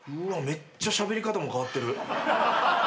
めっちゃしゃべり方も変わってる。